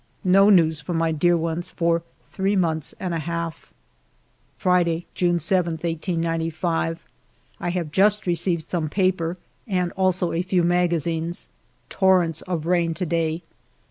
No news from my dear ones for three months and a half! Friday J June 7, 1895. I have just received some paper and also a few magazines. Torrents of rain to day.